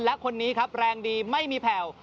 และคนนี้ครับแรงดีไม่มีแผ่ว